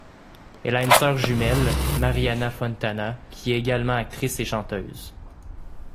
Elle a une sœur jumelle, Marianna Fontana, qui est également actrice et chanteuse.